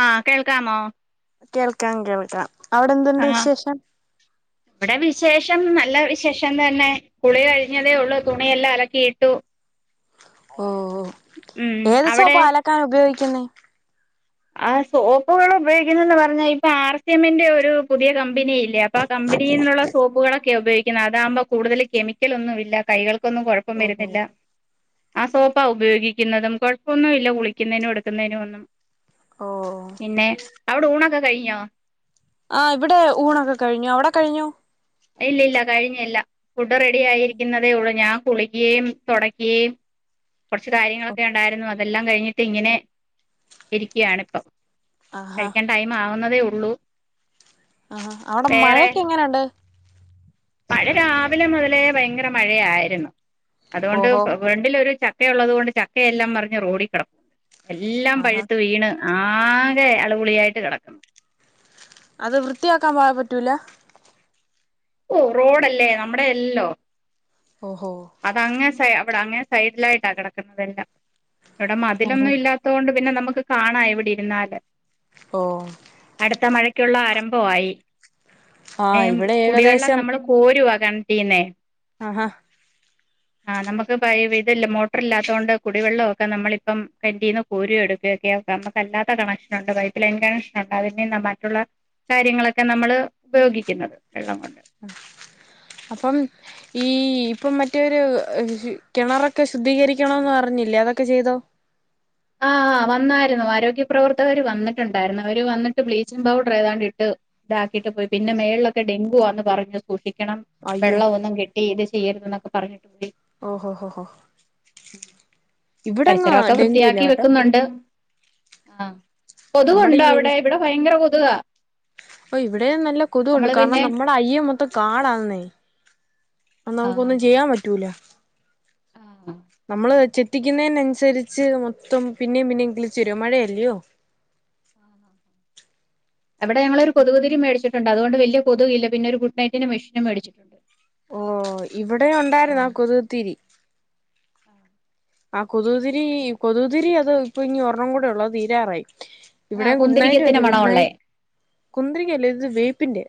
ആഹ കേൾക്കാമോ കേൾക്കാൻ കേൾക്കാം അവിടെ എന്തുണ്ട് വിശേഷം ശേഷം നല്ല വിശേഷം തന്നെ കുളി കഴിഞ്ഞതേ ഉള്ളൂ തുണിയെല്ലാം ഇലക്കിയിട്ടു ഓഓ ഏ ദിവസവും അവിടെ പ അലക്കാൻ ഉപയോഗിക്ക പിന്നെ ആ സോപ്പുകൾ ഉപയോഗിക്കുന്നന്ന് പറഞ്ഞാ ഇപ്പൊ ആർ സി എമ്മിന്റെ ഒരു പുതിയ കമ്പനി അപ്പൊ കമ്പനിയിൽന്നുള്ള സോപ്പുകളൊക്കെ െ ഉപയോഗിക്കുന്നത്താവുമ്പോ കൂതൽ കെമിക്കൽ ഒന്നുമില്ല കൈകൾ ൊന്നും കുഴപ്പം ഓഹോ വരുന്നില്ല ആ സോപ്പ ഉപയോഗിക്കുന്നതും കൊഴപ്പമൊന്നുമ ഇല്ല കുളിക്കുന്നതിനും എടുക്കുന്നതിനും ഒന്നും ഓ പിന്നെ അവിടെ ഊണൊക്കെ കഴഞ്ഞാ ആ് ഇവിടെ ഊണൊക്കെ കഴിഞ്ഞു അവിടെ കഴിഞ്ഞു ഇല്ല ഇല്ല കഴിഞ്ഞില്ല ഫുഡ് റെഡി ആയിരിക്കുന്നതേ ഉള്ളൂ ഞാൻ കുളിക്കയും തുടക്കിയെയും കുറച്ച് കാര്യങ്ങളൊക്കെ ഉണ്ടായിരുന്നു അതെല്ലാം കഴിഞ്ഞട്ട് ഇങ്ങനെ ഇരിക്കുകയാണ് ഇപ്പം കഴിക്കാൻ ടൈം ആവുന്നതേ ഉ ഉള്ളൂ ആഹ അവിടെ വേറെ മഴൊക്കെ എങ്ങനെയുണ്ട് മഴ രാവിലെ മുതലേ ഭയങ്കര മഴയായിരുന്നു അതുകൊണ്ട് ഓഹോ ഫ്രണ്ടിലൊ ഒരു ച ചക്ക ഉള്ളതുകൊണ്ട് ചക്ക എല്ലാം മറിഞ്ഞ് റോഡിക്കിടക്കാ എല്ലാം ആഹാ പഴുത്ത് വീണ് ആകെ അളുപുളിയായിട്ട് കിടക്കുന്നു അത് വൃത്തിയാക്കാൻ പോവാൻ പറ്റൂല ഓ റോഡല്ലേ നമ്മുടെ അല്ലല്ലോ ഓഹോ അതങ്ങെ സ അവിടെ അങ്ങെ സൈഡിലായിട്ടാ കിടക്കുന്നതെല്ലാം ഇവിടെ ആഹാ മതിലൊന്നും ഇല്ലാത്തൊണ്ട് പിന്നെ നമുക്ക് കാണാം ഇവിടെ ഇരുന്നാല് ഓഹ് ക്കുള്ള ആരംഭമായി ആ ഏ ഇവിടെ കുടിവെള്ളം ഏകദേശം നമ്മള് കോരുവാ കിണറ്റിന്നെ ആഹാ ആ നമ്മക്ക് പ ഇതില്ല മോട്ടർ ഇല്ലാത്തോണ്ട് കുടിവെള്ളക്കെ നമ്മള് ഇപ്പം കിണറ്റിന്ന് കോരു എടുക്കയൊക്കെ നമുക്കല്ലാത്ത കണക്ഷൻ ഉണ്ട് പൈപ്പ് ലൈൻ കണക്ഷൻ ഉണ്ട് അതിൽ നിന്നാ മറ്റുള്ള കാര്യങ്ങളൊക്കെ നമ്മള് ഉപയോഗിക്കുന്നു വെള്ളം കൊണ്ട് അപ്പം ഈ ഇപ്പം മറ്റൊരു കിണറൊക്കെ ശുദ്ധീകരിക്കണംന്ന് പറഞ്ഞില്ലേ അതൊക്കെ ചെയ്തോ ആഹ് ആ വന്നായിരുന്നു ആരോഗ്യപ്രവർത്തകര് വന്നിട്ടുണ്ടായിരുന്നു അവര് വന്നിട്ട് ബ്ലീച്ചിങ്ങ് പൗഡർ ഏതാണ്ട് ഇട്ട് ഇതാക്കിയിട്ട് പോയി പിന്നെ മേളിലൊക്കെ ഡെങ്കുവാന്ന് പറഞ്ഞു സൂക്ഷി ണം വെള്ളം ഒന്നും കെട്ടി ഇത് ചെയ്യരുത് ന്നൊക്കെ പറഞ്ഞു ഓ ഹോ ഹോ ഇവിടെങ്ങ് പരിസരമൊക്കെ ഡെങ്കു ഇല്ല വൃത്തിയാക്കി കേട്ടോ വെക്കുന്നുണ്ട് ആഹ് കൊതുക് നമ്മുടെ ഉണ്ടോ ഈ ഏരിയ അവിടെ ഇവിടെ ഭയങ്കര കൊ [unintelligible] ഓ ഇവിടെ നല്ല കൊതുണ്ട് കാരണം നമ്മുടെ അയ്യ മൊത്തം കാടാന്നേ അ ആ നമുക്ക് ഒന്നും ചെയ്യാൻ പറ്റൂല ആ നമ്മള് ചെത്തിക്കുന്നതിനനുസരിച്ച് മൊത്തം പിന്നെയും പിന്നെയും കിളിച്ചു വരും മഴയല്ലിയോ അവിടെ ഞങ്ങള് ഒരു കൊതുക് തിരി മേടിച്ചു ണ്ട് അത്കൊണ്ട് വല്ല്യാ കൊതുകില്ലാ പിന്നെ ഒരു ഗുഡ്‌നൈറ്റിന് മെഷിനും മെടിച്ചു ഓ ഇവടെ ഒണ്ടായിരുന്ന് ആ കൊത് തിരി ആ കൊതക് തിരി കൊതക് തിരി അത് ഇപ്പം ഇനി ഒരെണം കൂടിയെള്ളു അത് തീരാറായി ആ ഇവിടെ ഗുഡ് നൈറ്റ് കുന്തിരിക്കത്തിന്റെ വെച്ച് ഗുഡ് മണമുള്ളേ നൈറ്റ് കുന്തിരിക്കല്ലാ ഇത് വേപ്പിന്റെയാ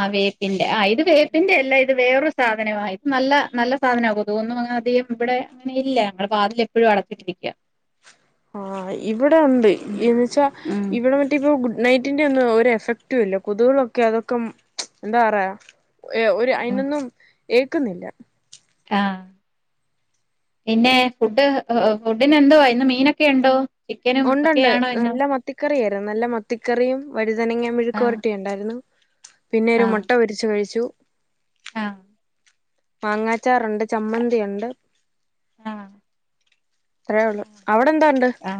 ആ വേപ്പിന്റെ ആ ഇത് വേപ്പിന്റെ അല്ലാ ഇത് വേറെ സാധാനവാ ഇത് നല്ല നല്ല സാധനവാ കൊതുകൊന്നും അങ്ങനെ അധികം ഇവടെ അങ്ങനെ ഇല്ല ഞങ്ങള് വാതിൽ എപ്പോഴും അടച്ചിട്ടിരിക്ക്യാ ആഹ് ഇവടെ ഒണ്ട് എന്ന്ച്ചാ ഉം ഇവിടെ മറ്റേ ഇപ്പം ഗുഡ് നൈറ്റിന്റെ ഒന്നും ഒര് എഫക്റ്റുല്ലാ കൊതുകുകളൊക്കെ അതൊക്കെ ഉം എന്താ പറയാ യെ ഒര് അയീനൊന്നും ഏക്ക് നീല്ലാ ആാ പിന്നെ ഫുഡ് യെ ഫുഡിന് എന്തുവാ ഇന്ന് മീനൊക്കെ ഒണ്ടോ ഒണ്ടണ്ട് നല്ലാ മത്തിക്കറിയാ നല്ലാ മത്തിക്കറിയും വഴ് വഴതങ്ങാ ആ മിഴുകൊരെട്ടിയും ഒണ്ടാര്ന്ന് പിന്നെ ആ ഒര് മെട്ട പൊരിച്ച് കഴിച്ചു ആ മാങ്ങാച്ചാറെണ്ട് ചമ്മന്തി ഒണ്ട് ആ ഇത്രേ ഒള്ളു അവിടെ എന്തൊണ്ട് ആ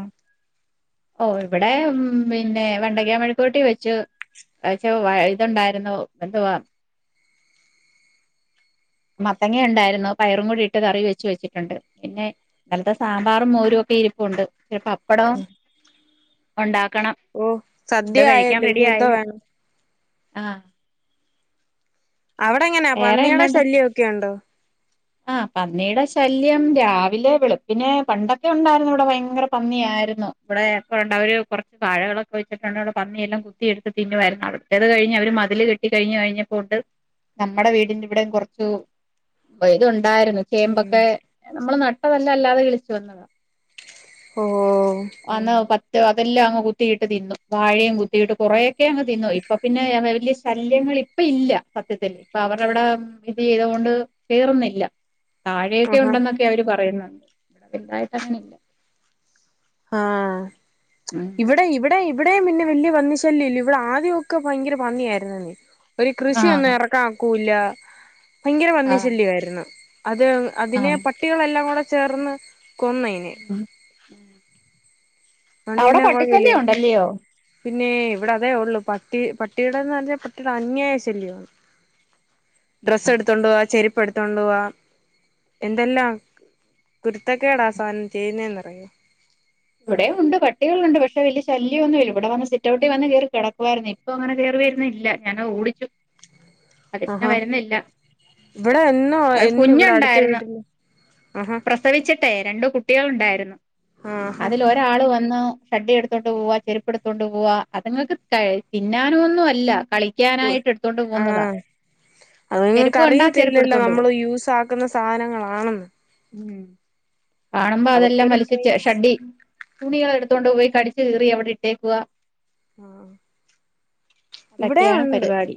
ഓ ഇവടെ ഉം പിന്നെ വെണ്ടക്യാ മെഴ്ക്കൊരട്ടി വെച്ച് വെച്ച് ഇതെണ്ടായിരുന്നു എന്തുവാ മത്തങ്ങ ഒണ്ടാരുന്നു പയറും കൂടി ഇട്ട് കറി വെച് വെച്ചിട്ടെണ്ട് പിന്നെ ഇന്നലത്തെ സാമ്പാറും മോരും ഒക്കെ ഇരിപ്പെണ്ട് പീന്നെ പപ്പ പപ്പടോം ഉഒണ്ടാ ഓ സദ്യ ആയല്ലോ ഇനി എന്തേ വേണം ആ അവടെ എങ്ങനെയാ പന്നിടെ ശല്യം ഒക്കെ ഉണ്ടോ ആാ പന്നിടെ ശല്യം രാവിലെ വെളുപ്പിനെ പണ്ടൊക്കെ ഒണ്ടാരുന്ന് ഇവടെ ഭയങ്കര പന്നിയാരുന്നു ഇവടെ എപ്പണ്ട് അവര് കൊറച്ച് വാഴകളൊക്കെ വെച്ചിട്ടുണ്ടേ അവടെ പന്നിയെല്ലാം കുത്തിയെടുത്ത് തിന്നുവാരുന്നു അവിടുത്തേത് കഴിഞ്ഞ് അവര് മതില് കെട്ടി കഴിഞ്ഞ് കഴിഞ്ഞപ്പോ ഒണ്ട് നമ്മടെ വീടിന്റെ ഇവിടെയും കൊറച്ച് [unintelligible] ണ്ടാര്ന്നു ഉം ചേമ്പൊക്കെ നമ്മള് നട്ടതല്ല അല്ലാതെ കിളി വന്നാതാ ഓ [unintelligible] അതെല്ലാം അങ്ങ് കുത്തിയിട്ട് തിന്നു വാഴയെ കുത്തിയിട്ട് കൊറെ അങ്ങ് തിന്നു ഇപ്പം പിന്നെ വല്യാ ശല്യങ്ങൾ ഇപ്പ ഇല്ല സത്യത്തില്ൽ ഇപ്പൊ അവരവിടെ ഇത് ചെയ്തൊണ്ട് കയറുന്നില്ല താഴെയൊക്കെ ആഹാ ഉണ്ടെന്നൊക്കെ അവര് പറയുന്നത് ഇവിടെ ഇണ്ടായിട്ട് അങ്ങനെല്ല ആ ഇവിടെ ഇവിടെ ഇവിടെയും പിന്നെ വലിയ പന്നിശല്യം ഇല്ല ഇവിടെ ആദ്യമൊക്കെ ഭയങ്കര പന്നിയായിരുന്നു നീ ഒരു കൃഷിയ ഒന്ന് ആഹ് ഇറക്കാക്കൂ ഇല്ല ഭയങ്കര പന്നി ആഹ് ശല്യമായിരുന്നു അത് അതിനെ ആഹ് പട്ടികളെല്ലാം കൂടെ ചേർന്ന് കൊന്നയിനെ ഉം അതോണ്ട് അവിടെ പിന്നെ കൊഴപ്പല്ല പട്ടിശല്യം ഉണ്ടല്ലയോ? പിന്നെ ഇവിടെ അതേ ഉള്ളു പട്ടി പട്ടിയുടെന്ന് പറഞ്ഞാൽ പട്ടിയുടെ അന്യായ ശല്യമാണ് ഡ്രസ്സ് എടുത്തണ്ട് പോവാ ചെരുപ്പ് എടുത്തണ്ട് പോവാ എന്തല്ലാ ക് കുരുത്തെക്കെടാ ആ സാനം ചെയ്യുന്നേന്ന് [unintelligible] ഇവിടെം ഉണ്ട് പട്ടികളുണ്ട് പക്ഷെ വല്ല്യ ശല്യമൊന്നുമില്ല ഇവിടെ വന്ന് സിറ്റൗട്ടി വന്ന് കേറി കിടക്കുവായിരുന്നു ഇപ്പ അങ്ങനെ കേറിവരുന്നില്ല ഞാനാ ഓടിച്ചു അതി പിന്നെ ആഹാ വരുന്നില്ല ഇവിടെ എന്നോ അത് എന്നും ഇവിടെ അടുത്ത കുഞ്ഞുണ്ടായിരുന്നു വീട്ടില് ആഹാ പ്രസവിച്ചിട്ടേ രണ്ടു കുട്ടികൾ ഉണ്ടായിരുന്നു ആഹാ അതിൽ ഒരാള് വന്ന് ഷഡ്ഢി എടുത്തോണ്ട് പോവാ ചെരുപ്പെടുത്തോണ്ട് പോവാ അതുങ്ങൾക്ക് തിന്നാനൊന്നും അല്ല ഒ കളിക്കാനായിട്ട് എടുത്തോണ്ട് പോകുന്നതാ ആഹ് ചെരുപ്പ് അത്ങ്ങൾക്ക് കണ്ടാ ചെരുപ്പ് അറിയത്തില്ലല്ലോ എടുത്തോണ്ട് നമ്മൾ പോകും യൂസ ആക്കുന്ന സാധനങ്ങളാണെന്ന് ഉം കാണുമ്പോ അതെല്ലാം അവർക്കൊരു വലിച്ച്ട്ട് ക്രേസ് ഷഡ്ഢി തുണികളെടുത്തോണ്ട് പോയി കടിച്ചു കീറി അവിടെ ഇട്ടേക്കുവാ ആ ഇവിടെം അതൊക്കെയാണ് ഉണ്ട് പരിപാടി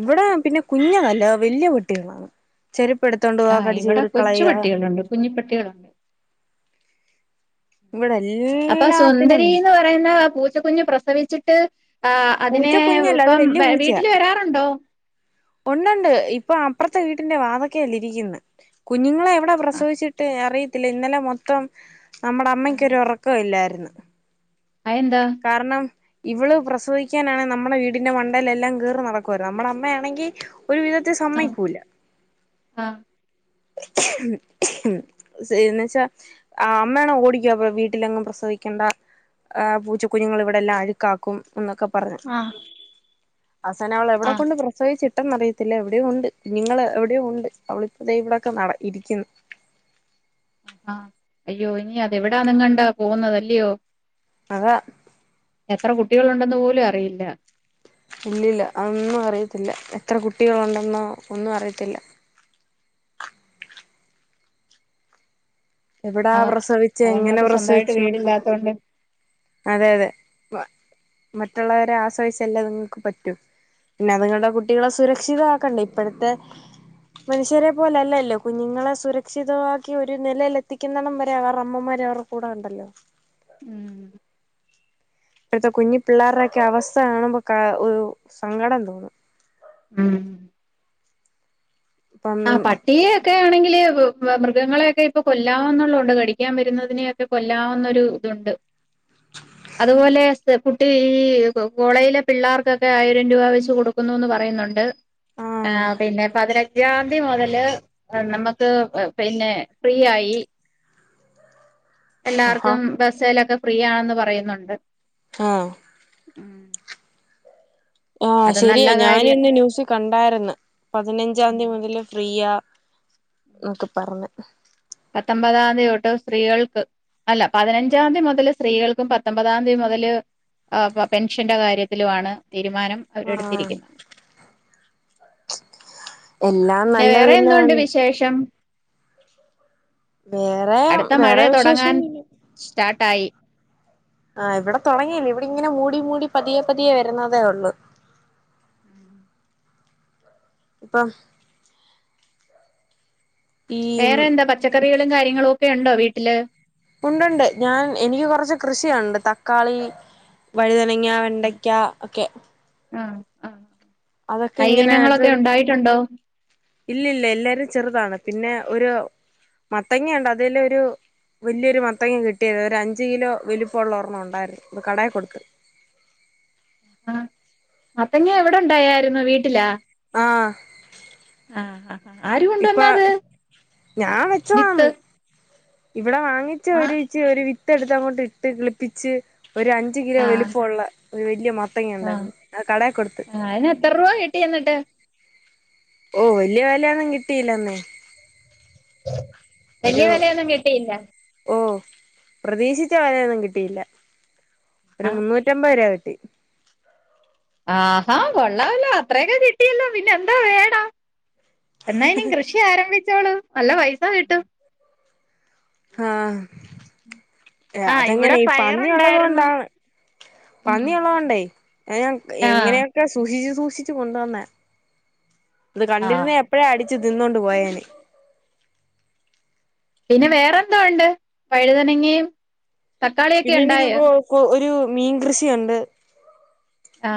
ഇവിടെ പിന്നെ കുഞ്ഞതല്ല നല്ല വലിയ പട്ടി കുട്ടികളാന്ന് ചെരുപ് ആഹ് ഇവിടെ കൊച്ചുപട്ടികളുണ്ട് കുഞ്ഞി പട്ടികളുണ്ട് ഇവിടെ അപ്പൊ എല്ലാത്തിനും സുന്ദരീന്ന് പറയുന്ന പൂച് പൂച്ച കുഞ്ഞ് പ്രസവിച്ചിട്ട് ആ അതിനെ പൂച്ച കുഞ്ഞല്ല അത് ഇപ്പം വല്യ വ പൂച്ചയാ വീട്ടിൽ വരാറുണ്ടോ ഉണ്ടുണ്ട് ഇപ്പൊ അപ്പുറത്തെ വീട്ടിന്റെ വാതൊ ക്കേലിരിക്കുന്നു കുഞ്ഞുങ്ങളെ അവിടെ ആഹ് പ്രസവിച്ചിട്ടെ അറിയത് ത്തില്ല ഇന്നലെ മൊത്തം നമ്മുടെ ആഹ് അമ്മക്കൊരു ഉറക്കം ഇല്ലാരുന്ന് അതെന്താ കാരണം ഇവള് പ്രസവിക്കാനാണേ നമ്മടെ വീടിന്റെ മണ്ടേലെല്ലാം കേറി നടക്കുവാരുന്ന് നമ്മുടെ അമ്മയാണെങ്കി ഒരു വിധത്തി ആഹ് സമ്മയിക്കൂല ആഹ് എന്ന് വച്ചാ അമ്മയാണെ ഓടിക്കും അപ്പ വീട്ടിലെങ്ങും പ്രസവിക്കണ്ട ഏഹ് പൂച്ച കു കുഞ്ഞുങ്ങൾ ഇവിടെ എല്ലാം അഴുക്കാക്കും എന്നൊക്കെ പറഞ്ഞ് ആഹ് അവസാനം അവളെവിടെ ആഹ് കൊണ്ട് പ്രസവിച്ചി ട്ടെന്നറിയത്തില്ല എവിടെയോ ഉണ്ട് നിങ്ങള് എവിടെയോ ഉണ്ട് അവളിപ്പോ ദേ ഇവിടൊക്കെ നട ഇരിക്കുന്ന് ആഹാ അയ്യോ ഇനി അതെവിടാന്നും കണ്ടാ പോവുന്നതല്ലിയോ അതാ എത്ര കുട്ടികളുണ്ടെന്ന് പോലും അറിയില്ല ഇല്ലില്ല അതൊന്നും അറിയത്തില്ല എത്ര കുട്ടികളുണ്ടെന്നോ ഒന്നും അറിയത്തില്ല എവിടാ ആഹ് പ്രസവിച്ചെ എങ്ങനെ അതങ്ങൾക്ക് സ്വന്തമായിട്ട് പ്രസവിച്ചു ഒന്നും അറിയത്തില്ല വീടില്ലാത്തോണ്ട് അതെ അതെ മ മറ്റുള്ളവരെ ആശ്രയിച്ചല്ലേ അതുങ്ങൾക്ക് പറ്റു പിന്നെ അതുങ്ങളുടെ കുട്ടികളെ സുരക്ഷിതമാക്കണ്ടേ ഇപ്പോഴത്തെ മനുഷ്യരെ പോലെല്ലല്ലോ കുഞ്ഞുങ്ങളെ സുരക്ഷിതമാക്കി ഒരു നിലേൽ എത്തിക്കുന്നടം വരെ അവരുടെ അമ്മമാര് അവരുടെ കൂടെ ഉണ്ടല്ലോ ഉം ഇപ്പോഴത്തെ കുഞ്ഞി പിള്ളേർടെ ഒക്കെ അവസ്ഥ കാണുമ്പോ കാ ഒരു സങ്കടം തോന്നും ഉം ഇപ്പം ആ പട്ടിയെ ഒക്കെ ആണെങ്കില് മൃഗങ്ങളെയൊക്കെ ഇപ്പൊ കൊല്ലാവുന്നൊള്ളോണ്ട് കടിക്കാൻ വരുന്നതിനെയൊക്കെ കൊല്ലാവുന്നൊര് ഇതുണ്ട് അതുപോലെ കുട്ടി ഈ കോളേജിലെ പിള്ളേർ [unintelligible] ആയിരം രൂപ വെച്ച് കൊടു ക്കുന്നുന്ന് പറയുന്നുണ്ട് ആ ആഹ് പിന്നെ പതി ഞ്ചാംതി മുതല് നമുക്ക് പിന്നെ ഫ്രീ ആയി ആഹാ എല്ലാവർക്കും ബസ്സേലൊക്കെ ഫ്രീ ആണെന്ന് പറയുന്നുണ്ട് ആ ഉം ആഹ് അത് ശരിയ നല്ല കാര്യം ഞാനിന്ന് ന്യൂസ് കണ്ടാരുന്ന് പതിനഞ്ചാം തീയതി മുതല് ഫ്രീയ [unintelligible] പറഞ്ഞ് പത്തൊമ്പതാം തീയതി തൊട്ട് സ്ത്രീകൾക്ക് അല്ല പതിനഞ്ചാം തീയതി മുതല് സ്ത്രീകൾക്കും പത്തൊമ്പതാം തീയതി മുതല് ആ പെൻഷന്റെ കാര്യത്തിലുമാണ് തീരുമാനം അവര് ആഹ് എടുത്തിരിക്കുന്നെ എല്ലാം നല്ലതിന് [unintelligible] വേറെ അടുത്ത മഴ വേറെ വിശേഷം തുടങ്ങാൻ ഒന്നുമില്ല [unintelligible] ആഹ് ഇവിടെ തൊടങ്ങിയില്ല ഇവിടെ ഇങ്ങനെ മൂടി മൂടി പതിയെ പതിയെ വരുന്നതേ ഒള്ളു ഇപ്പം ഈ വേറെ എന്താ പച്ചക്കറികളും കാര്യങ്ങളും ഒക്കെ ഉണ്ടോ വീ ട്ടില് ഉണ്ടുണ്ട് ഞാൻ എനിക്ക് കൊറച്ച് കൃഷി ഉണ്ട് തക്കാളി വഴുത [unintelligible] വെണ്ടയ്ക്ക ഒക്കെ ആ ആഹ് അതൊക്കെ ഇങ്ങനെ അതൊരു ഇല്ലില്ല എല്ലാരും ചെറുതാണ് പിന്നെ ഒരു മത്തങ്ങയുണ്ട് അതില് ഒരു വലിയൊരു മത്തങ്ങ കിട്ടിയത് ഒരു അഞ്ചു കിലോ വലിപ്പോള്ള ഒറെണ്ണം ഉണ്ടായിരുന്നു ഇത് കടേ കൊടുത്ത് ആ മത്തങ്ങ എവിടെ ഒണ്ടായായിരുന്നു വീട്ടിലാ ആ ആ ആ ആരു കൊണ്ട് ഇപ്പൊ വന്നാ അത് ഞാൻ വിത്ത് വെച്ചതാന്ന് ഇവിടെ വാങ്ങിച്ച ആ ഒരുച്ചി ഒരു വി ത്ത് എടുത്തങ്ങോട്ട് ഇട്ട് കിളിപ്പിച്ച് ഒരു അഞ്ചു കിലോ വലുപ്പള്ള ഒരു വലിയ മ ആ ആ അയിന് എത്ര രൂപ കിട്ടി എന്നിട്ട് ഓ വലിയ വിലയൊന്നും കിട്ടീല്ലന്നെ [inaudible] വലിയ വിലയൊന്നും കിട്ടിയില്ല ഓ പ്രതീക്ഷിച്ച വിലയൊന്നും കിട്ടിയില്ല ഒരു ആഹ് മുന്നൂറ്റമ്പത് രൂപ കി ട്ടി ആഹാ കൊള്ളാമല്ലോ അത്രയൊക്കെ കിട്ടിയല്ലോ പിന്നെ എന്തോ വേണം എന്നാ ഇനി കൃഷി ആരംഭിച്ചോളൂ നല്ല പൈസ കിട്ടും ഏ ആഹ് അതെങ്ങനെ ഇവിടെ ഈ പന്നി ഉള്ളത് പയറുണ്ടായിരുന്നു കൊണ്ടാണ് ഉം പന്നി ഉള്ളത് കൊണ്ടേ ഞ ആഹ് എങ്ങനെയൊക്കെ സൂക്ഷിച്ചു സൂ ക്ഷിച്ചു കൊണ്ടുവന്നെ അത് ആഹ് കണ്ടിരുന്നേ എപ്പഴേ അടിച്ചു തിന്നോണ്ട് പോയേനെ പിന്നെ വേറെന്തോ ഉണ്ട് വഴുതനങ്ങയും തക്കാളിയൊക്കെ പിന്നെ എനിക്ക് ഉണ്ടായോ കൊ കു ഒരു മീൻ കൃഷിയുണ്ട് ആ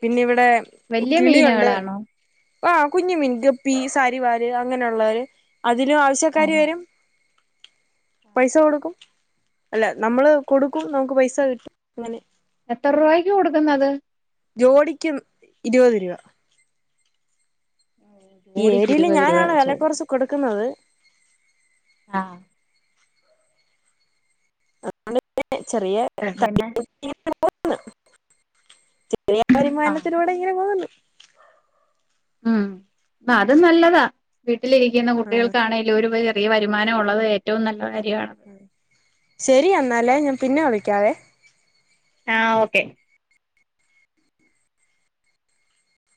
പിന്ന ഇവിടെ വലിയ കിളിയുണ്ട് മീനുകളാണോ ആ കുഞ്ഞു മിൻ ഗപ്പി സാരിവാര് അങ്ങനെയുള്ളവര് അതിലും ആവശ്യക്കാരു വരും പൈസ കൊടുക്കും അല്ല നമ്മള് കൊടുക്കും നമുക്ക് പൈസ കിട്ടും അങ്ങനെ എത്ര രൂപായ്ക്ക് കൊടുക്കുന്നത് ജോഡിക്കും ഇരുപത് രൂപ ഈ ജോഡിക്ക് ഏരിയല് ഇരുപത് രൂപ ഞാനാണ് വെച്ച് വില കുറച്ച് കൊടുക്കുന്നത് ആ അ [unintelligible] ചെറിയ [unintelligible] [unintelligible] പിന്നെ [unintelligible] ആഹ് വരുമാനത്തിലൂടെ ഇങ്ങനെ അങ്ങ് പോകന്നു ആ അത് നല്ലതാ ട്ടിലിരിക്കുന്ന ആ കുട്ടികൾക്കാണെലും ഒരു ചെറിയ വരുമാനം ഉള്ളത് ഏറ്റവും നല്ലത ശരി എന്നാലേ ഞാൻ പിന്നെ വിളി ക്കാവേ ആ ഓക്കെ